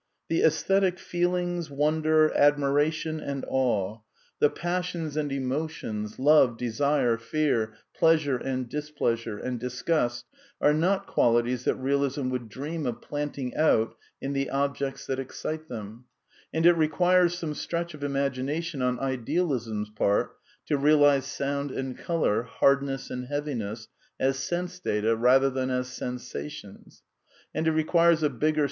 The aesthetic feelings, wonder, admiration and awe, the passions THE NEW KEALISM 221 and emotions, love, desire, fear, pleasure and displeasure, and disgust are not qualities that Eealism would dream of planting out in the objects that excite them; and it re quires some stretch of imagination on Idealism's part to realize sound and colour, hardness and heaviness as sense data rather than as sensations. And it requires a bigger!